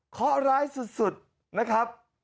ข้อร้ายสุดนะครับ